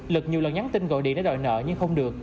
lực nhiều lần nhắn tin gọi điện để đòi nợ nhưng không được